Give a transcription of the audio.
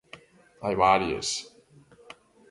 Hai varias...